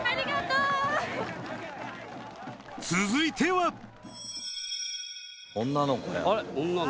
続いては女の子や。